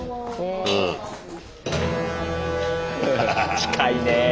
近いね。